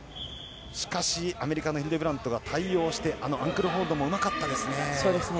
しかしアメリカのヒルデブラントが対応してあのアンクルホールドもうまかったですね。